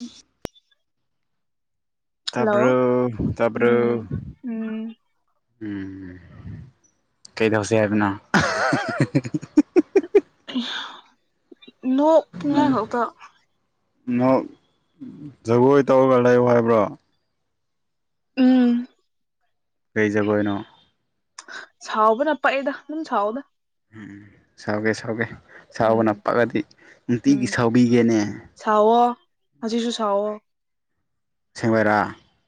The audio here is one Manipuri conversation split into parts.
ꯎꯝ [unintelligible] ꯍꯜꯂꯣ ꯇꯥꯕꯔꯣ ꯇꯥꯕꯔꯣ ꯎꯝ ꯎꯝ ꯎꯝ ꯀꯩꯗꯧꯁꯦ ꯍꯥꯏꯕꯅꯣ ꯅꯣꯛꯅꯤꯡꯉꯥꯏ ꯈꯛꯇ ꯅꯣꯛ ꯖꯒꯣꯏ ꯇꯧꯔꯒ ꯂꯩꯎ ꯍꯥꯏꯕ꯭ꯔꯣ ꯎꯝ ꯀꯩ ꯖꯒꯣꯏꯅꯣ ꯁꯥꯎꯕꯅ ꯄꯥꯛꯑꯦꯗ ꯁꯨꯝ ꯁꯥꯎꯑꯣꯗ ꯎꯝ ꯁꯥꯎꯒꯦ ꯁꯥꯎꯒꯦ ꯎꯝ ꯁꯥꯎꯕꯅ ꯄꯛꯑꯗꯤ ꯎꯝ ꯅꯨꯡꯇꯤꯒꯤ ꯁꯥꯎꯕꯤꯒꯦꯅꯦ ꯁꯥꯎꯋꯣ ꯍꯧꯖꯤꯁꯨ ꯁꯥꯎꯋꯣ ꯁꯦꯡꯃꯥꯏꯔꯥ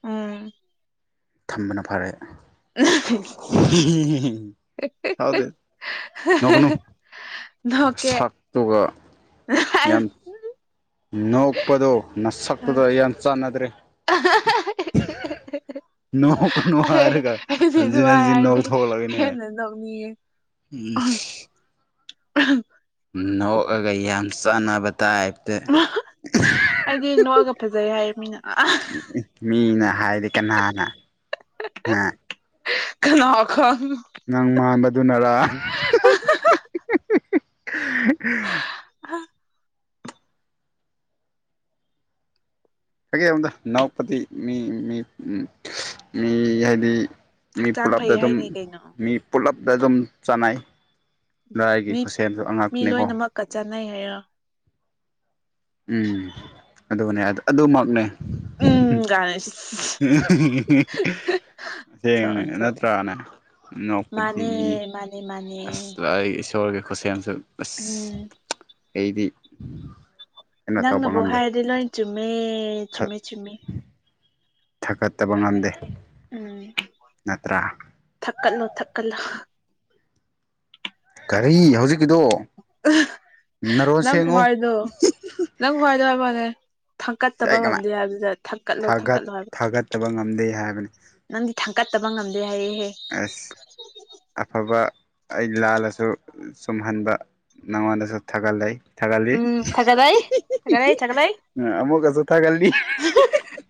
ꯎꯝ ꯊꯝꯕꯅ ꯐꯔꯦ ꯁꯥꯎꯗꯦ [unintelligible] ꯅꯣꯛꯀꯦ ꯑꯗꯨꯒ ꯌꯥꯝ ꯑꯁ ꯅꯣꯛꯄꯗꯣ ꯅꯁꯛꯇꯨꯒ ꯌꯥꯝ ꯆꯥꯟꯅꯗ꯭ꯔꯦ [unintelligible] ꯅꯣꯡ ꯀꯅꯨ ꯍꯥꯢꯔꯒ ꯑꯩꯗꯤ ꯍꯟꯖꯤꯟ ꯑꯗꯨꯃꯥꯏ ꯍꯟꯖꯤꯟ ꯅꯣ ꯍꯥꯏꯔꯗꯤ ꯊꯣꯛꯂꯛꯅꯦ ꯍꯦꯟꯅ ꯅꯣꯛꯅꯤꯡꯉꯦ ꯏꯁ ꯑꯍꯝ ꯅꯣꯛꯑꯒ ꯌꯥꯝ ꯆꯥꯟꯅꯕ ꯇꯥꯏ ꯇ [unintelligible] ꯃꯤꯅꯥ ꯑꯥ ꯎ ꯃꯤꯅ ꯍꯥꯏꯗꯤ ꯀꯅꯥꯅ ꯍꯥ ꯈꯅꯥꯎ ꯈꯥ ꯅꯪ ꯃꯥꯟꯕꯗꯨꯅꯔ [unintelligible] ꯑ [unintelligible] ꯀꯀꯩ ꯑꯝꯗ ꯅꯥꯎꯄꯗꯤ ꯃꯤ ꯃꯤ ꯃꯤ ꯍꯥꯏꯗꯤ ꯃꯤ ꯍꯛꯆꯥꯡ ꯄꯨꯜꯂꯞꯇ ꯐꯩ ꯑꯗꯨꯝ ꯍꯥꯏꯅꯤ ꯀꯩꯅꯣ ꯃꯤ ꯄꯨꯂꯞꯇ ꯑꯗꯨꯝ ꯆꯅꯩ ꯂꯥꯏꯒꯤ ꯈꯨꯠꯁꯦꯝꯁꯨ ꯑꯉꯛꯄꯅꯦꯀꯣ ꯀꯆꯥꯅꯩ ꯍꯥꯏꯔꯣ ꯎꯝ ꯑꯗꯨꯅꯦ ꯑꯗꯨꯃꯛꯅꯦ ꯒꯥꯏ ꯊꯣꯛ ꯊꯦꯡꯉꯦ ꯑꯣꯟꯊꯣꯛ ꯅꯠꯇ꯭ꯔꯅꯦ ꯅꯣꯛꯄꯗꯤ ꯃꯥꯅꯦ ꯃꯤ ꯃꯥꯅꯦ ꯃꯥꯅꯦ ꯑꯁ ꯂꯣꯏ ꯏꯁꯣꯔꯒꯤ ꯈꯨꯠꯁꯦꯝꯁꯨ ꯑꯁ ꯎꯝ ꯑꯩꯗꯤ ꯀꯩꯅꯣ ꯇꯧꯕ ꯅꯪꯅꯕꯨ ꯉꯝꯗꯦ ꯍꯥꯏꯔꯗꯤ ꯂꯣꯏꯟ ꯆꯨꯝꯃꯦ ꯆꯨꯝꯃꯦ ꯆꯨꯝꯃꯦ ꯊꯥꯒꯠꯇꯕ ꯉꯝꯗꯦ ꯎꯝ ꯅꯠꯇ꯭ꯔꯥ ꯊꯛꯀꯠꯂꯣ ꯊꯛꯀꯠꯂꯣ ꯀꯔꯤ ꯍꯧꯖꯤꯛꯀꯤꯗꯣ ꯅꯔꯣꯟ ꯅꯪ ꯁꯦꯡꯉꯨ ꯈꯨꯍꯥꯏꯗꯣ ꯅꯪ ꯈꯨꯍꯥꯏꯗꯣ ꯍꯥꯏꯕꯩ ꯋꯥꯅꯦ ꯊꯥꯡꯀꯠꯇꯕ ꯀꯃꯥꯏ ꯉꯝꯗꯦ ꯍꯥꯏꯕꯗꯨꯗ ꯊꯥꯡꯀꯠꯂꯣ ꯊꯥꯒꯠ ꯊꯥꯡꯀꯠꯂꯣ ꯍꯥꯏꯕ ꯊꯥꯒꯠꯇꯕ ꯉꯝꯗꯦ ꯍꯥꯏꯕꯅꯤ ꯅꯪꯗꯤ ꯊꯥꯡꯀꯠꯇꯕ ꯉꯝꯗꯦ ꯍꯥꯏꯔꯛꯑꯦꯍꯦ ꯑꯁ ꯑꯐꯕ ꯑꯩ ꯂꯥꯜꯂꯁꯨ ꯆꯨꯝꯍꯟꯕ ꯅꯪꯉꯣꯟꯗꯁꯨ ꯊꯥꯒꯠꯂꯩ ꯊꯥꯒꯂꯤ ꯎꯝ ꯊꯥꯒꯠꯂꯛꯏ ꯊꯥꯒꯠꯂꯛꯏ ꯊꯥꯒꯠꯂꯛꯏ ꯑꯃꯨꯛꯀꯁꯨ ꯊꯥꯒꯂꯤ [unintelligible]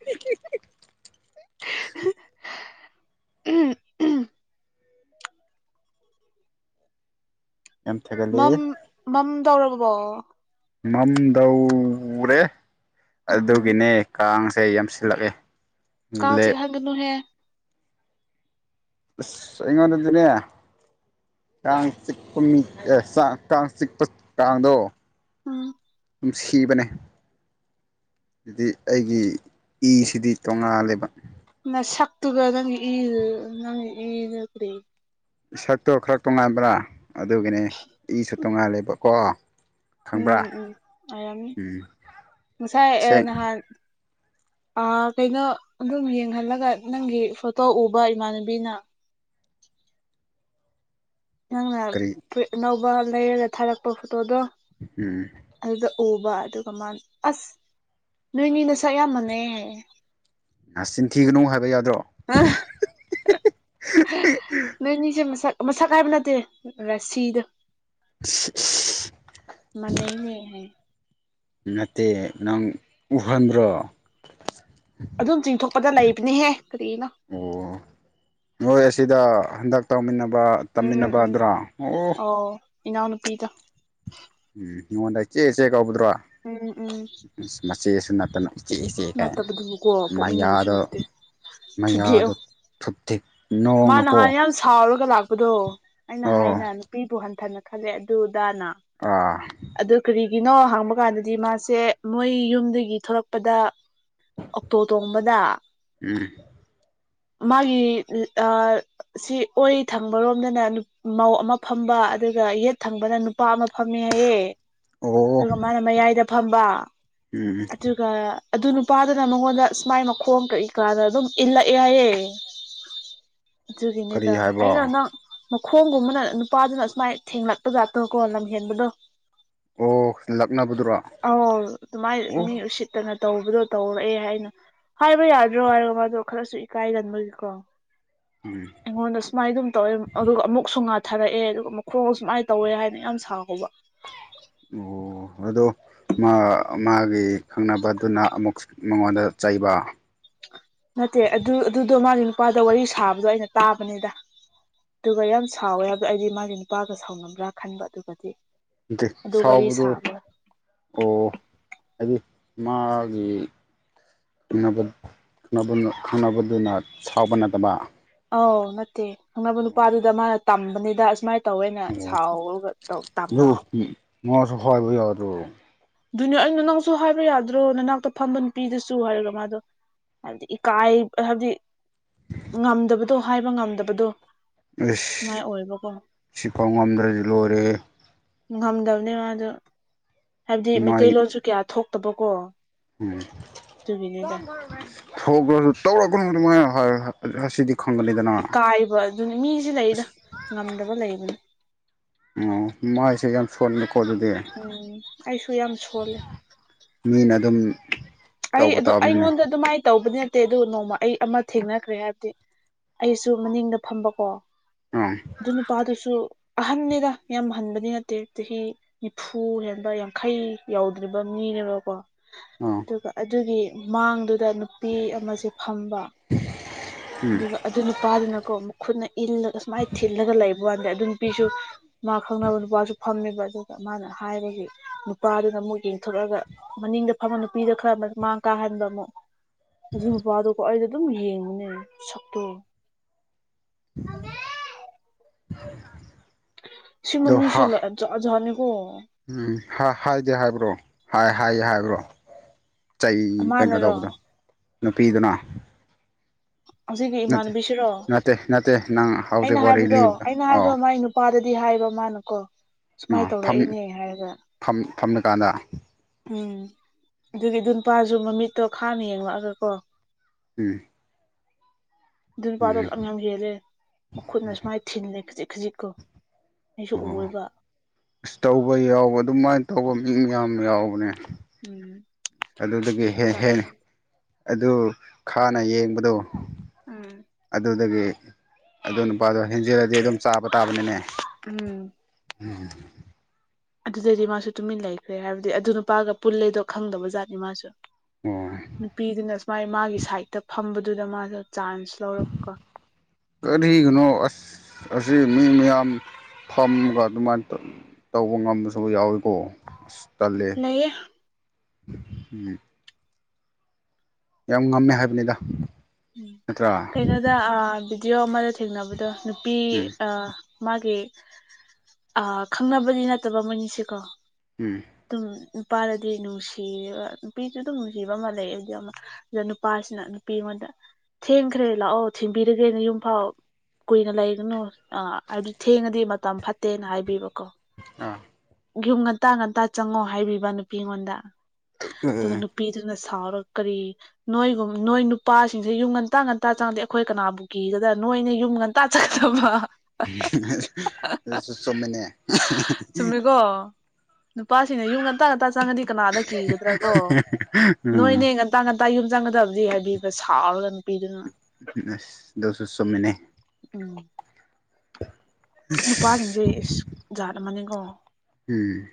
[unintelligible] ꯌꯥꯝ ꯊꯥꯒꯠꯂꯤ ꯃꯝ ꯃꯝꯗꯧꯔꯕꯣ ꯃꯝꯗꯧꯔꯦ ꯎꯝ ꯑꯗꯨꯒꯤꯅꯦ ꯀꯥꯡꯁꯦ ꯌꯥꯝꯁꯤꯜꯂꯛꯑꯦ ꯀꯥꯡ ꯂꯦꯞ ꯆꯤꯛꯍꯟꯒꯅꯨꯍꯦ ꯑꯁ ꯑꯩꯉꯣꯟꯗꯗꯤꯅꯦ ꯀꯥꯡ ꯆꯤꯛꯄ ꯃꯤ ꯑꯦ ꯆꯥꯡ ꯀꯥꯡ ꯆꯤꯛꯄ ꯀꯥꯡꯗꯣ ꯎꯝ ꯗꯨꯝ ꯁꯤꯕꯅꯦ ꯑꯗꯨꯗꯤ ꯑꯩꯒꯤ ꯏꯁꯤꯗꯤ ꯇꯣꯉꯥꯜꯂꯦꯕ ꯅꯥꯁꯛꯇꯨꯒ ꯅꯪꯒꯤ ꯏꯗꯨ ꯅꯪꯒꯤ ꯏꯗꯨ ꯀ꯭ꯔꯤ ꯏꯁꯛꯇꯣ ꯈꯔ ꯇꯣꯉꯥꯟꯕ꯭ꯔꯥ ꯑꯗꯨꯒꯤꯅꯦ ꯏꯁꯨ ꯇꯣꯡꯉꯥꯜꯂꯦꯕꯀꯣ ꯎꯝ ꯎꯝ ꯑꯣꯏꯃꯝꯅꯤ ꯉꯁꯥꯏ ꯑꯦ ꯁꯦꯡ ꯅꯍꯥꯟ ꯑ ꯀꯩꯅꯣ ꯑꯗꯨꯝ ꯌꯦꯡꯍꯜꯂꯒ ꯅꯪꯒꯤ ꯐꯣꯇꯣ ꯎꯕ ꯏꯃꯥꯟꯅꯕꯤꯅ ꯅꯪꯅ ꯀꯔꯤ ꯐꯨꯔꯤꯠ ꯑꯅꯧꯕ ꯂꯩꯔꯒ ꯊꯥꯔꯛꯄ ꯐꯣꯇꯣꯗꯣ ꯎꯝ ꯑꯗꯨꯗ ꯎꯕ ꯑꯗꯨꯒ ꯃꯥꯅ ꯑꯁ ꯅꯣꯏꯅꯤ ꯅꯁꯛ ꯌꯥꯝ ꯃꯟꯅꯩꯌꯦ ꯍꯥꯏꯌꯦ ꯅꯆꯤꯟ ꯊꯤꯒꯅꯨ ꯍꯥꯏꯕ ꯌꯥꯗ꯭ꯔꯣ [unintelligible] ꯅꯣꯏꯅꯤꯁꯦ ꯃꯁꯛ ꯃꯁꯛ ꯍꯥꯏꯕ ꯅꯠꯇꯦ ꯔꯥꯁꯤꯗꯨ [unintelligible] ꯃꯥꯟꯅꯩꯅꯦ ꯍꯥꯏ ꯅꯠꯇꯦ ꯅꯪ ꯎꯍꯟꯕ꯭ꯔꯣ ꯑꯗꯨꯝ ꯆꯤꯡꯊꯣꯛꯄꯗ ꯂꯩꯕꯅꯤꯍꯦ ꯀꯔꯤꯅꯣ ꯑꯣ ꯅꯣꯏ ꯑꯁꯤꯗ ꯍꯟꯗꯛ ꯇꯧꯃꯤꯟꯅꯕ ꯇꯝꯃꯤꯟꯅꯕ ꯑꯗꯨꯔ ꯑꯣ ꯏꯅꯥꯎ ꯅꯨꯄꯤꯗꯣ ꯎꯝ ꯏꯉꯣꯟꯗ ꯏꯆꯦ ꯏꯆꯦ ꯀꯧꯕꯗꯨꯔꯣ ꯎꯝ ꯎꯝ ꯏꯁ ꯃꯆꯦꯁꯨ ꯅꯠꯇꯅ ꯏꯆꯦ ꯏꯆꯦ ꯀꯥꯏꯅ ꯅꯠꯇꯕꯗꯨꯕꯨꯀꯣ ꯄꯣꯛꯃꯤꯟꯅꯕꯁꯨ ꯃꯌꯥꯗꯣ ꯅꯠꯇꯦ ꯊꯨꯗꯦꯛꯑꯣ ꯃꯌꯥꯗꯣ ꯐꯨꯞ ꯊꯤꯛ ꯃꯥ ꯅꯍꯥꯟ ꯌꯥꯝ ꯁꯥꯎꯔꯒ ꯂꯥꯛꯄꯗꯣ ꯑꯩꯅ ꯑꯣ ꯍꯥꯏꯅ ꯅꯨꯄꯤꯕꯨ ꯍꯟꯊꯅ ꯈꯜꯂꯦ ꯑꯗꯨꯗꯥꯅ ꯑꯥ ꯑꯗꯨ ꯀꯔꯤ ꯅꯣ ꯍꯥꯡꯕ ꯀꯥꯟꯗꯗꯤ ꯃꯥꯁꯦ ꯃꯣꯏ ꯌꯨꯝꯗꯒꯤ ꯊꯣꯂꯛꯄꯗ ꯑꯣꯛꯇꯣ ꯇꯣꯡꯕꯗ [unintelligible] ꯃꯥꯒꯤ ꯑ ꯁꯤ ꯑꯣꯏ ꯊꯪꯕꯔꯣꯝꯗꯅ ꯃꯧ ꯑꯃ ꯐꯝꯕ ꯑꯗꯨꯒ ꯌꯦꯠ ꯊꯪꯕꯅ ꯅꯨ ꯅꯨꯄꯥ ꯑꯃ ꯐꯪꯃꯤ ꯍꯥꯏꯌꯦ ꯑꯣ ꯑꯗꯨꯒ ꯃꯥꯅ ꯃꯌꯥꯏꯗ ꯐꯝꯕ ꯎꯝ ꯑꯗꯨꯒ ꯑꯗꯨ ꯅꯨꯄꯥꯗꯨꯅ ꯃꯉꯣꯟꯗ ꯁꯨꯃꯥꯏꯅ ꯃꯈꯣꯡ ꯀꯛꯏ ꯀꯥꯟꯗ ꯑꯗꯨꯝ ꯏꯜꯂꯛꯑꯦ ꯍꯥꯏꯌꯦ ꯀꯔꯤ ꯆꯨꯒꯤꯅꯤꯗ ꯑꯩꯅ ꯍꯥꯏꯕ ꯅ ꯃꯈꯣꯡꯒꯨꯝꯕꯅ ꯅꯨꯄꯥꯗꯨꯅ ꯁꯨꯃꯥꯏꯅ ꯊꯦꯡꯂꯛꯄꯖꯥꯠꯇꯣꯀꯣ ꯂꯝꯍꯦꯟꯕꯗꯣ ꯑꯣ ꯂꯛꯅꯕꯗꯨꯔꯣ ꯑꯧ ꯇꯨꯃꯥꯏ ꯑꯣ ꯁꯤꯠꯇꯅ ꯇꯧꯕꯗꯣ ꯇꯧꯔꯛꯑꯦ ꯍꯥꯏꯅ ꯍꯥꯏꯕ ꯌꯥꯗ꯭ꯔꯣ ꯍꯥꯏꯔꯣ ꯃꯥꯗꯣ ꯈꯔꯁꯨ ꯏꯀꯥꯏꯒꯟꯕꯒꯤꯀꯣ [unintelligible] ꯑꯩꯉꯣꯟꯗ ꯁꯨꯃꯥꯏꯅ ꯑꯗꯨꯝ ꯇꯧꯋꯦ ꯑꯗꯨꯒ ꯑꯃꯨꯛꯁꯨ ꯉꯥꯊꯔꯛꯑꯦ ꯑꯗꯨꯒ ꯃꯈꯣꯡ ꯁꯨꯃꯥꯏꯅ ꯇꯧꯋꯦ ꯍꯥꯏꯅ ꯌꯥꯝ ꯁꯥꯎꯍꯧꯕ ꯑꯣ ꯑꯗꯣ ꯃꯥ ꯃꯥꯒꯤ ꯈꯪꯅꯕꯗꯨꯅ ꯑꯃꯨꯛ ꯃꯉꯣꯟꯗ ꯆꯩꯕ ꯅꯠꯇꯦ ꯑꯗꯨ ꯑꯗꯨꯗꯣ ꯃꯥꯒꯤ ꯅꯨꯄꯥꯗ ꯋꯥꯔꯤ ꯁꯥꯕꯗꯣ ꯑꯩꯅ ꯇꯥꯕꯅꯤꯗ ꯑꯗꯨꯒ ꯌꯥꯝ ꯁꯥꯎꯋꯦ ꯍꯥꯏꯕꯗꯣ ꯑꯩꯗꯤ ꯃꯥꯒꯤ ꯅꯨꯄꯥꯒ ꯁꯥꯎꯅꯕ꯭ꯔꯥ ꯈꯟꯕ ꯑꯗꯨꯒꯗꯤ ꯅꯠꯇꯦ ꯑꯗꯨ ꯋꯥꯔꯤ ꯁꯥꯎꯕꯗꯣ ꯁꯥꯕ ꯑꯣ ꯍꯥꯏꯗꯤ ꯃꯥꯒꯤ ꯅꯕ ꯈꯪꯅꯕ ꯈꯪꯅꯕꯗꯨꯅ ꯁꯥꯎꯕ ꯅꯠꯇꯕ ꯑꯧ ꯅꯠꯇꯦ ꯈꯪꯅꯕ ꯅꯨꯄꯥꯗꯨꯗ ꯃꯥꯅ ꯇꯝꯕꯅꯤꯗ ꯑꯁꯨꯃꯥꯏꯅ ꯇꯧꯋꯏꯅ ꯑꯣ ꯁꯥꯎꯔꯒ ꯇꯧ ꯑꯗꯨ ꯇꯛꯄꯀꯣ ꯇꯝ ꯃꯥꯁꯨ ꯍꯥꯢꯕ ꯌꯥꯗ꯭ꯔꯣ ꯑꯗꯨꯏꯅꯦ ꯑꯩꯅ ꯅꯪꯁꯨ ꯍꯥꯏꯕ ꯌꯥꯗ꯭ꯔꯣ ꯅꯅꯥꯛꯇ ꯐꯝꯕꯅ ꯄꯤꯗꯁꯨ ꯍꯥꯏꯔꯒ ꯃꯥꯗꯣ ꯍꯥꯏꯕꯗꯤ ꯏꯀꯥꯏ ꯍꯥꯏꯕꯗꯤ ꯉꯝꯗꯕꯗꯣ ꯍꯥꯏꯕ ꯉꯝꯗꯕꯗꯣ ꯑꯦꯁ ꯑꯗꯨꯃꯥꯏꯅ ꯑꯣꯏꯕꯀꯣ ꯁꯤꯐꯥꯎ ꯉꯝꯗ꯭ꯔꯗꯤ ꯂꯣꯏꯔꯦꯍꯦ ꯉꯝꯗꯕꯅꯦꯕ ꯃꯥꯗꯣ ꯍꯥꯏꯕꯗꯤ ꯃꯥꯏ ꯃꯩꯇꯩꯂꯣꯟꯁꯨ ꯀꯌꯥ ꯊꯣꯛꯇꯕꯀꯣ ꯎꯝ ꯑꯗꯨꯒꯤꯅꯤꯗ [unintelligible] ꯍꯧꯕꯗ ꯇꯧꯔꯛꯀꯅꯨ ꯗꯨꯃꯥꯏꯄ ꯍꯥꯢꯔ ꯑꯁꯤꯗꯤ ꯈꯪꯒꯅꯤꯗꯅ ꯏꯀꯥꯏꯕ ꯑꯗꯨꯅꯤ ꯃꯤꯁꯦ ꯂꯩꯌꯦꯗ ꯉꯝꯗꯕ ꯂꯩꯕꯅꯤ ꯑꯣ ꯃꯥꯏꯁꯦ ꯌꯥꯝ ꯁꯣꯟꯕꯀꯣ ꯑꯗꯨꯗꯤ ꯎꯝ ꯑꯩꯁꯨ ꯌꯥꯝ ꯁꯣꯜꯂꯦ ꯃꯤꯅ ꯑꯗꯨꯝ ꯑꯩ ꯇꯧꯕ ꯑꯗꯨ ꯇꯥꯕꯅꯤꯅꯦ ꯑꯩꯉꯣꯟꯗ ꯑꯗꯨꯃꯥꯏꯅ ꯇꯧꯕꯅꯤꯅ ꯅꯠꯇꯦ ꯑꯗꯨ ꯅꯣꯡꯃ ꯑꯩ ꯑꯃ ꯊꯦꯡꯅꯈ꯭ꯔꯦ ꯍꯥꯏꯕꯗꯤ ꯑꯩꯁꯨ ꯃꯅꯤꯡꯗ ꯐꯝꯕꯀꯣ ꯑꯥ ꯑꯗꯨ ꯅꯨꯄꯥꯗꯨꯁꯨ ꯑꯍꯟꯅꯤꯅ ꯌꯥꯝ ꯍꯟꯕꯗꯤ ꯅꯠꯇꯦ ꯆꯍꯤ ꯅꯤꯐꯨ ꯍꯦꯟꯕ ꯌꯥꯡꯈꯩ ꯌꯥꯎꯗ꯭ꯔꯤꯕ ꯃꯤꯅꯦꯕꯀꯣ ꯑ ꯑꯗꯨꯒ ꯑꯗꯨꯒꯤ ꯃꯥꯡꯗꯨꯗ ꯅꯨꯄꯤ ꯑꯃꯁꯦ ꯐꯝꯕ ꯎꯝ ꯑꯗꯨꯒ ꯑꯗꯨ ꯅꯨꯄꯥꯗꯨꯅꯀꯣ ꯈꯨꯠꯅ ꯏꯜꯂꯒ ꯁꯨꯃꯥꯏꯅ ꯊꯤꯜꯂꯒ ꯂꯩꯕ ꯋꯥꯥꯟꯗꯦ ꯑꯗꯨ ꯅꯨꯄꯤꯁꯨ ꯃꯥ ꯈꯪꯅꯕ ꯅꯨꯄꯥꯁꯨ ꯐꯝꯃꯦꯕ ꯑꯗꯨ ꯃꯥꯅ ꯍꯥꯏꯕꯒꯤ ꯅꯨꯄꯥꯗꯨꯅ ꯑꯃꯨꯛ ꯌꯦꯡꯊꯣꯔꯛꯑꯒ ꯃꯅꯤꯡꯗ ꯐꯝꯃ ꯅꯨ ꯅꯨꯄꯤꯗ ꯈꯔ ꯃꯥꯡ ꯀꯥꯍꯟꯕ ꯑꯃꯨꯛ ꯍꯧꯖꯤ ꯃꯄꯥꯥꯗꯣꯀꯣ ꯑꯩꯗ ꯑꯗꯨꯝ ꯌꯦꯡꯕꯅꯦ ꯁꯛꯇꯣ [inaudible] [unintelligible] ꯑꯗꯣ ꯍꯥ ꯖꯥꯖꯅꯦ ꯀꯣ ꯎꯝ ꯍꯥ ꯍꯥꯏꯗꯦ ꯍꯥꯏꯕ꯭ꯔꯣ ꯍꯥꯏ ꯍꯥꯏꯌꯦ ꯍꯥꯏꯕ꯭ꯔꯣ ꯆꯩ ꯀꯩꯅꯣ ꯃꯥꯅꯔꯣ ꯇꯧꯕꯗꯣ ꯅꯨꯄꯤꯗꯨꯅ ꯑꯁꯤꯒꯤ ꯅꯠꯇꯦ ꯏꯃꯥꯟꯕꯤ ꯁꯤꯔꯣ [unintelligible] ꯑꯩꯅ ꯍꯥꯏꯕꯗꯣ ꯂꯤꯕꯗꯣ ꯑꯩ ꯑꯣ ꯃꯥꯢꯗꯣ ꯃꯥꯥꯏ ꯅꯨꯄꯥꯗꯗꯤ ꯍꯥꯏꯕ ꯃꯥꯅꯀꯣ ꯁꯨꯃꯥꯏꯅ ꯇꯧꯔꯛꯏꯅꯦ ꯍꯥꯏꯔꯒ ꯊꯝ ꯊꯝꯂ ꯀꯥꯟꯗ ꯎꯝ ꯑꯗꯨꯒꯤ ꯑꯗꯨ ꯅꯨꯄꯥꯁꯨ ꯃꯃꯤꯠꯇꯣ ꯈꯥꯡꯅ ꯌꯦꯡꯂꯛꯑꯒꯀꯣ ꯎꯝ ꯑꯗꯨ ꯅꯨꯄꯥꯗꯣ ꯎꯝ ꯂꯝ ꯌꯥꯝ ꯍꯦꯜꯂꯦ ꯃꯈꯨꯠꯅ ꯁꯨꯃꯥꯏꯅ ꯊꯤꯜꯂꯦ ꯈꯖꯤꯛ ꯈꯖꯤꯛꯀꯣ ꯑꯩꯁꯨ ꯑꯣ ꯎꯔꯕ ꯑꯁ ꯇꯧꯕ ꯌꯥꯎꯕ ꯑꯗꯨꯃꯥꯏꯅ ꯇꯧꯕ ꯃꯤ ꯌꯥꯝ ꯌꯥꯎꯕꯅꯦ ꯎꯝ ꯑꯗꯨꯗꯒꯤ ꯍꯦ ꯍꯦꯟ ꯇꯜꯂꯦ ꯑꯗꯨ ꯈꯥꯟꯅ ꯌꯦꯡꯕꯗꯣ ꯎꯝ ꯑꯗꯨꯗꯒꯤ ꯑꯗꯨ ꯅꯨꯄꯥꯗꯣ ꯍꯦꯟꯖꯤꯜꯂꯗꯤ ꯑꯗꯨꯝ ꯆꯥꯕ ꯇꯥꯕꯅꯤꯅꯦ ꯎꯝ [inaudible] ꯑꯗꯨꯗꯗꯤ ꯃꯥꯁꯨ ꯇꯨꯃꯤꯟ ꯂꯩꯈ꯭ꯔꯦ ꯍꯥꯏꯕꯗꯤ ꯑꯗꯨ ꯅꯨꯄꯥꯒ ꯄꯨꯜꯂꯦꯗꯣ ꯈꯪꯗꯕꯖꯥꯠꯅꯤ ꯃꯥꯁꯨ ꯑꯣ ꯅꯨꯄꯤꯗꯨꯅ ꯁꯨꯃꯥꯏ ꯃꯥꯒꯤ ꯁꯥꯏꯗꯠꯇ ꯐꯝꯕꯗꯨꯗ ꯃꯥꯁꯨ ꯆꯥꯟꯁ ꯂꯧꯔꯛꯀ ꯀꯔꯤꯒꯅꯣ ꯑꯁ ꯑꯁꯤ ꯃꯤ ꯃꯌꯥꯝ ꯐꯝꯒ ꯑꯗꯨꯃꯥꯏꯅ ꯇꯧꯕ ꯉꯝꯕꯁꯨ ꯌꯥꯎꯋꯤꯀꯣ ꯑꯁ ꯇꯜꯂꯦ ꯂꯩꯌꯦ ꯎꯝ ꯌꯥꯝ ꯉꯝꯃꯦ ꯍꯥꯏꯕꯅꯤꯗ ꯅꯠꯇ꯭ꯔꯥ ꯀꯩꯅꯣꯗ ꯑꯥ ꯕꯤꯗꯤꯑꯣ ꯑꯃꯗ ꯊꯦꯡꯅꯕꯗꯣ ꯅꯨꯄꯤ ꯎꯝ ꯑꯥ ꯃꯥꯒꯤ ꯑꯥ ꯈꯪꯅꯕꯗꯤ ꯅꯠꯇꯕ ꯃꯣꯏꯅꯤꯁꯤꯀꯣ ꯎꯝ ꯑꯗꯨꯝ ꯅꯨꯄꯥꯗꯗꯤ ꯅꯨꯡꯁꯤ ꯅꯨꯄꯤꯁꯨ ꯑꯗꯨꯝ ꯅꯨꯡꯁꯤꯕ ꯑꯃ ꯂꯩ ꯑꯗꯨ ꯑꯃ ꯑꯗꯨꯗ ꯅꯨꯄꯥꯁꯤꯅ ꯅꯨꯄꯤ ꯑꯩꯉꯣꯟꯗ ꯊꯦꯡꯈ꯭ꯔꯦ ꯂꯥꯛꯑꯣ ꯊꯤꯟꯕꯤꯔꯒꯦ ꯅꯥꯌꯨꯝꯐꯥꯎ ꯀꯨꯏꯅ ꯂꯩꯒꯅꯨ ꯑꯥ ꯍꯥꯏꯕꯗꯤ ꯊꯦꯡꯉꯗꯤ ꯃꯇꯝ ꯐꯠꯇꯦꯅ ꯍꯥꯏꯕꯤꯕꯀꯣ ꯑꯥ ꯌꯨꯝ ꯉꯟꯇꯥ ꯉꯟꯇꯥ ꯆꯪꯉꯣ ꯍꯥꯏꯕꯤꯕ ꯅꯨꯄꯤ ꯑꯩꯉꯣꯟꯗ ꯑꯗꯨꯒ ꯄꯤꯗꯨꯅ ꯁꯥꯎꯔꯒ ꯀꯔꯤ ꯅꯣꯏꯒꯨꯝ ꯅꯣꯏ ꯅꯨꯄꯥꯁꯤꯡꯁꯦ ꯌꯨꯝ ꯉꯟꯇꯥ ꯉꯟꯇꯥ ꯆꯪꯉꯗꯦ ꯑꯩꯈꯣꯏ ꯀꯅꯥꯕꯨ ꯀꯤꯒꯗꯥ ꯅꯣꯏꯅ ꯌꯨꯝ ꯇꯥ [unintelligible] [unintelligible] ꯆꯨꯃꯦꯅꯦ ꯀꯣ ꯅꯨꯄꯥꯁꯤꯡꯅ ꯌꯨꯝ ꯉꯟꯇꯥ ꯉꯇꯥ ꯆꯪꯉꯗꯤ ꯀꯅꯥꯗ ꯀꯤꯒꯗ꯭ꯔ ꯀꯣ ꯎꯝ ꯅꯣꯏꯅꯦ ꯉꯟ ꯉꯇꯥ ꯉꯟꯇꯥ ꯌꯨꯝ ꯆꯪꯒꯗꯕꯗꯤ ꯍꯥꯏꯕꯤꯕ ꯁꯥꯎꯔꯒ ꯅꯨꯄꯤꯗꯨꯅ [unintelligible] ꯗꯣꯁꯨ ꯆꯨꯝꯃꯦꯅꯦ [inaudible] ꯅꯨꯄꯥꯁꯤꯡꯁꯦ ꯏꯁ ꯖꯥꯠ ꯑꯃꯅꯤꯀꯣ ꯎꯝ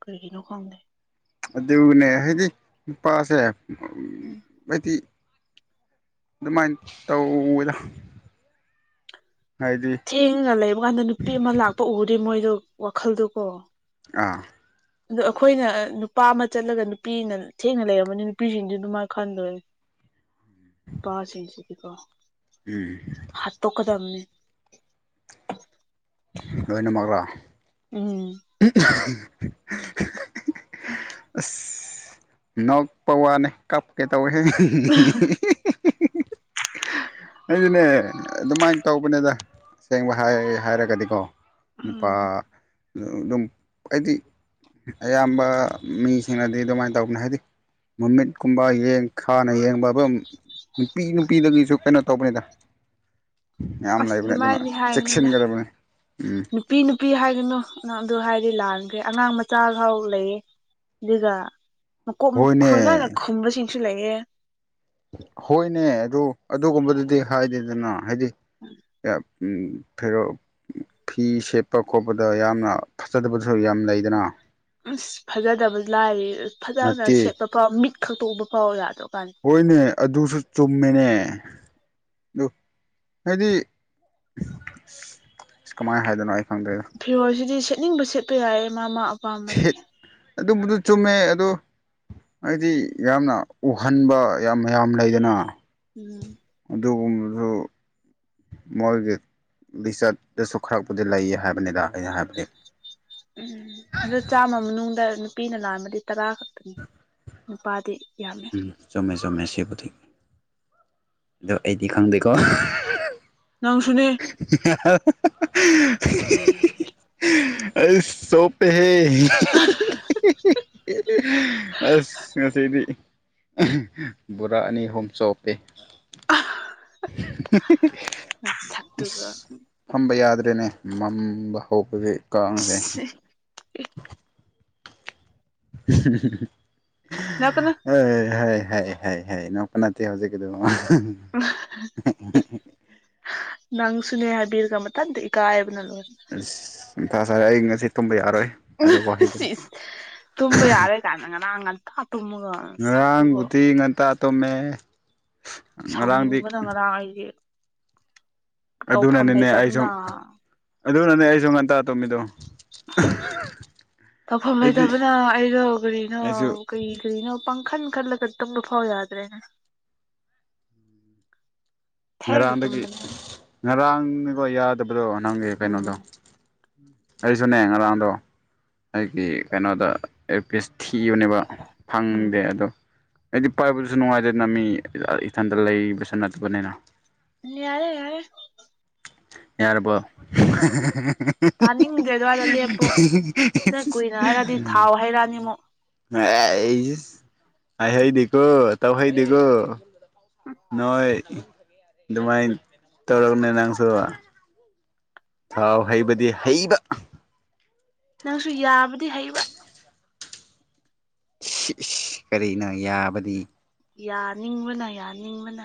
ꯀꯩꯒꯤꯅꯣ ꯈꯪꯗꯦ ꯑꯗꯨꯅꯦ ꯍꯥꯏꯗꯤ ꯅꯨꯄꯥꯁꯦ ꯎꯝ ꯍꯥꯏꯗꯤ ꯑꯗꯨꯃꯥꯏꯅ ꯇꯧꯋꯤꯗ ꯍꯥꯏꯗꯤ ꯊꯦꯡꯉꯒ ꯂꯩꯕ ꯀꯥꯟꯗ ꯅꯨꯄꯤ ꯑꯃ ꯂꯥꯛꯄ ꯎꯗꯔꯤ ꯃꯣꯏꯗꯣ ꯋꯥꯈꯜꯗꯨꯀꯣ ꯑꯥ ꯑꯗꯣ ꯑꯩꯈꯣꯏꯅ ꯅꯨꯄꯥ ꯑꯃ ꯆꯠꯂꯒ ꯅꯨꯄꯤꯅ ꯊꯦꯡꯅ ꯂꯩꯔꯝꯃꯗꯤ ꯅꯨꯄꯤꯁꯤꯡꯗꯤ ꯑꯗꯨꯃꯅꯥ ꯈꯟꯗꯣꯏꯅꯤ ꯅꯨꯄꯥꯁꯤꯡꯁꯤꯗꯤꯀꫭ ꯎꯝ ꯍꯥꯠꯇꯣꯛ ꯀꯥꯗꯝꯅꯤ ꯂꯣꯏꯅꯃꯛꯂꯥ ꯎꯝ ꯎ [unintelligible] ꯑꯁ ꯅꫭꯛꯄꯋꯥꯅꯤ ꯀꯞꯀꯦ ꯇꯧꯋꯤꯍ‌ꯦ ꯑꯗꯨꯅ‌ꯦ ꯑꯦ ꯑꯗꯨꯃꯥꯏꯅ ꯇꯧꯕꯅꯦꯗ ꯑꯁꯦꯡꯕ ꯍꯥꯏ ꯍꯥꯏꯔꯒꯗꯤꯀꯣ ꯅꯨꯄꯥ ꯎꯝ ꯑꯗꯨꯝ ꯍꯥꯏꯗꯤ ꯑꯌꯥꯝꯕ ꯃꯤꯁꯤꯡꯅꯗꯤ ꯑꯗꯨꯃꯥꯏꯅ ꯇꯧꯕꯅꯦ ꯍꯥꯏꯗꯤ ꯃꯃꯤꯠꯀꯨꯝꯕ ꯌꯦꯡ ꯈꯥꯅ ꯌꯦꯡꯕ ꯕꯨꯝ ꯅꯨꯄꯤ ꯅꯨꯄꯤꯗꯒꯤꯁꯨ ꯀꯩꯅꯣ ꯇꯧꯕꯅꯤꯗ ꯌꯥꯝ ꯑꯁ ꯂꯩꯕꯅꯦ ꯑꯗꯨꯅ ꯑꯗꯨꯃꯥꯏꯅꯅꯤ ꯍꯥꯏꯅꯨꯗ ꯆꯦꯛꯁꯤꯟꯒꯗꯕꯅꯤ ꯎꯝ ꯅꯨꯄꯤ ꯅꯨꯄꯤ ꯍꯥꯏꯒꯅꯨ ꯅꯪ ꯑꯗꯨ ꯍꯥꯏꯔꯗꯤ ꯂꯥꯟꯈ꯭ꯔꯦ ꯑꯉꯥꯡ ꯃꯆꯥꯐꯥꯎ ꯂꯩꯌꯦ ꯑꯗꯨꯒ ꯃꯀꯣꯛ ꯍꯣꯏꯅꯦ ꯈꯣꯏ ꯂꯥꯏꯅ ꯈꯨꯝꯕꯁꯤꯡꯁꯨ ꯂꯩꯌꯦ ꯍꯣꯏꯅꯦ ꯑꯗꯨ ꯑꯗꯨꯒꯨꯝꯕꯗꯨꯗꯤ ꯍꯥꯏꯗꯦꯗꯅ ꯍꯥꯏꯗꯤ ꯎꯝ ꯐꯦꯔꯣ ꯐꯤ ꯁꯦꯠꯄꯥ ꯈꯣꯠꯄꯗ ꯌꯥꯝꯅ ꯐꯖꯗꯕꯁꯨ ꯌꯥꯝ ꯂꯩꯗꯅ ꯑꯁ ꯐꯖꯗꯕꯗꯤ ꯂꯥꯏꯔꯤ ꯐꯖꯅ ꯅꯠꯇꯦ ꯁꯦꯠꯄꯥ ꯐꯥꯎ ꯃꯤꯠ ꯈꯛꯇꯥ ꯎꯕ ꯌꯥꯗꯔꯕ ꯀꯥꯟ ꯍꯣꯏꯅꯦ ꯑꯗꯨꯁꯨ ꯆꯨꯝꯃꯤꯅꯦ ꯑꯗꯨ ꯍꯥꯏꯗꯤ ꯏꯁ ꯀꯃꯥꯏꯅ ꯍꯥꯏꯗꯅꯣ ꯑꯩ ꯈꯪꯗꯔ꯭ꯦꯗꯥ꯫ ꯐꯤꯔꯣꯜꯁꯤꯗꯤ ꯁꯦꯠꯅꯤꯡꯕ ꯁꯦꯠꯄ ꯌꯥꯏꯌꯦ ꯃꯥ ꯃꯥ ꯑꯄꯥꯝꯕꯅꯦ ꯁꯤꯠ ꯑꯗꯨꯝꯕꯗꯨ ꯆꯨꯝꯃꯦ ꯑꯗꯣ ꯑꯩꯗꯤ ꯌꯥꯝꯅ ꯎꯍꯟꯕ ꯌꯥꯝ ꯃꯌꯥꯝ ꯂꯩꯗꯅ ꯎꯝ ꯑꯗꯨꯒꯨꯝꯕꯗꫭ ꯃꯣꯏꯒꯤ ꯂꯤꯆꯠꯇꯁꯨ ꯈꯔꯛꯄꯨꯗꯤ ꯂꯩꯌꯦ ꯍꯥꯏꯕꯅꯤꯗ ꯑꯩꯅ ꯍꯥꯏꯕꯗꯤ ꯎꯝ ꯑꯗꯨꯗ ꯆꯥꯝꯃ ꯃꯅꯨꯡꯗ ꯅꯨꯄꯤꯅ ꯂꯥꯟꯃꯗꯤ ꯇꯔꯥ ꯈꯛꯇꯅꯤ ꯅꯨꯄꯥꯗꯤ ꯌꯥꯝꯃꯦ ꯎꯝ ꯆꯝꯃꯦ ꯆꯝꯃꯦ ꯁꯤꯕꯨꯗꯤ ꯑꯗꯣ ꯑꯩꯗꯤ ꯈꯪꯗꯦꯀꯣ ꯅꯪꯁꯨꯨꯅꯦ ꯀꯔꯤ ꯑꯁ ꯁꯣ ꯑꯁ ꯉꯁꯤꯗꯤ ꯕꯣꯔꯥ ꯑꯅꯤ ꯑꯍꯨꯝ ꯆꯣꯞꯄꯦ [unintelligible] ꯅꯁꯛꯇꯨꯒꯥ ꯐꯝꯕ ꯌꯥꯗ꯭ꯔꯦꯅꯦ ꯃꯝꯕ ꯍꯧꯕꯒꯤ ꯀꯥꯡꯖꯦ ꯅꯣꯛꯀꯅꯨ ꯍꯣꯏ ꯍꯥꯏ ꯍꯥꯏ ꯍꯥꯏ ꯍꯥꯏ ꯅꯣꯛꯄ ꯅꯠꯇꯦ ꯍꯧꯖꯤꯛꯀꯤꯗꯣ ꯅꯪ ꯁꯨꯅꯦ ꯍꯥꯏꯕꯤꯔꯒ ꯃꯊꯟꯇꯥ ꯏꯀꯥꯏꯕꯅ ꯂꯣꯏꯔꯦ ꯑꯁ ꯃꯊꯥ ꯁꯥꯔꯦ ꯑꯩ ꯉꯁꯤ ꯇꯨꯝꯕ ꯌꯥꯔꯣꯏ ꯑꯗꯨ ꯁꯤ ꯋꯥꯍꯩꯗꯨꯅ ꯏꯁ ꯇꯨꯝꯕ ꯌꯥꯔꯣꯏ ꯀꯥꯟꯅ ꯉꯔꯥꯡ ꯉꯟꯊꯥ ꯇꯨꯝꯃꯒ ꯁꯛꯇꯨꯒ ꯉꯔꯥꯡꯕꯨꯗꯤ ꯉꯟꯇꯥ ꯇꯣꯝꯃꯦ ꯁꯥꯎꯅꯤꯡꯕꯅ ꯉꯔꯥꯡ ꯑꯩꯗꯤ ꯇꯧꯐꯝ ꯑꯗꯨꯅꯅꯤꯅꯦ ꯑꯩꯁꯨ ꯂꯩꯇꯕꯅ ꯑꯗꯨꯅꯅꯦ ꯑꯩꯁꯨ ꯉꯟꯇꯥ ꯇꯨꯝꯃꯤꯗꯣ [inaudible] ꯇꯧꯐꯝ ꯑꯩꯗꯤ ꯂꯩꯇꯕꯅ ꯑꯩꯗꯣ ꯀꯔꯤꯅꯣ ꯑꯩꯁꯨ ꯀꯩ ꯀꯔꯤꯅꯣ ꯄꯥꯡꯈꯟ ꯈꯜꯂꯒ ꯇꯝꯕꯐꯥꯎ ꯌꯥꯗ꯭ꯔꯦꯅꯦ ꯉꯔꯥꯡꯗꯒꯤ ꯉꯔꯥꯡꯅꯤꯒꯣ ꯌꯥꯗꯕꯗꯣ ꯅꯪꯒꯤ ꯀꯩꯅꯣꯗꯣ ꯎꯝ ꯑꯩꯁꯨꯅꯦ ꯉꯔꯥꯡꯗꯣ ꯑꯩꯒꯤ ꯀꯥꯅꯣꯗ ꯑꯦꯌꯥꯔꯄꯤꯁ ꯊꯤꯕꯅꯦꯕ ꯎꯝ ꯐꯪꯗꯦ ꯑꯗꯣ ꯑꯩꯗꯤ ꯄꯥꯏꯕꯗꯨꯁꯨ ꯅꯨꯡꯉꯥꯏꯗꯅ ꯃꯤ ꯏꯊꯟꯇꯥ ꯂꯩꯕꯁꯨ ꯅꯠꯇꯥꯕꯅꯤꯅ ꯂꯤꯌꯥꯔꯦ ꯌꯥꯔꯦ ꯌꯥꯔꯕꯣ ꯇꯥꯅꯤꯡꯗꯦ ꯑꯗꯨꯋꯥꯏꯗ ꯂꯦꯞꯄꯨ ꯗꯥ ꯀꯨꯏꯅ ꯍꯥꯏꯔꯗꯤ ꯊꯥꯎ ꯍꯩꯔꯛꯑꯅꯤ ꯑꯃꯨꯛ [unintelligible] ꯍꯥꯏꯍꯩꯗꯤꯀꯣ ꯇꯧꯍꯩꯗꯤꯀꯣ ꯅꯣꯏ ꯑꯗꯨꯃꯥꯏꯟ ꯇꯧꯔꯒꯅꯦ ꯅꯪꯁꯨ ꯊꯥꯎ ꯍꯩꯕꯗꯤ ꯍꯩꯕ ꯅꯪꯁꯨ ꯌꯥꯕꯗꯤ ꯍꯩꯕ ꯁꯤꯏꯁ ꯀꯔꯤꯅꯣ ꯌꯥꯕꯗꯤ ꯌꯥꯅꯤꯡꯕꯅ ꯌꯥꯅꯤꯡꯕꯅ